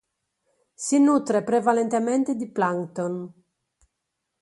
Si nutre prevalentemente di plancton.